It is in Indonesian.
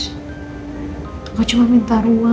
enggak cuma minta ruang